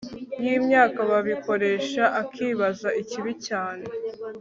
yimyaka babikoresha akibaza ikibi cyane